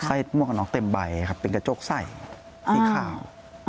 หมวกกันน็อกเต็มใบครับเป็นกระจกใสสีขาว